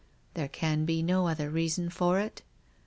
" There can be no other reason for it